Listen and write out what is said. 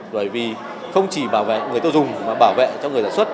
bởi vì không chỉ bảo vệ người tiêu dùng mà bảo vệ cho người sản xuất